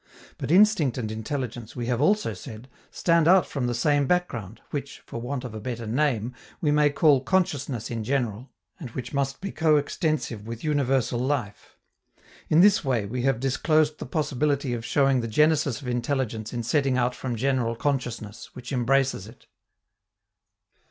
But instinct and intelligence, we have also said, stand out from the same background, which, for want of a better name, we may call consciousness in general, and which must be coextensive with universal life. In this way, we have disclosed the possibility of showing the genesis of intelligence in setting out from general consciousness, which embraces it.